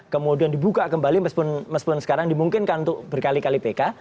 kemudian dibuka kembali meskipun sekarang dimungkinkan untuk berkali kali pk